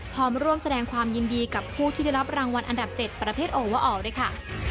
พร้อมร่วมแสดงความยินดีกับผู้ที่ได้รับรางวัลอันดับ๗ประเภทโอวาออลด้วยค่ะ